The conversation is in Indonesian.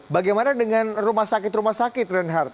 bagaimana dengan rumah sakit rumah sakit reinhardt